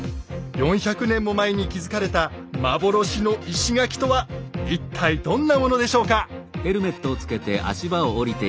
４００年も前に築かれた幻の石垣とは一体どんなものでしょうか。